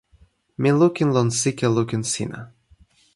mi lukin lon sike lukin sina.